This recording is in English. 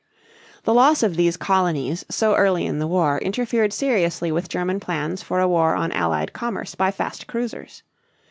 The loss of these colonies so early in the war interfered seriously with German plans for a war on Allied commerce by fast cruisers.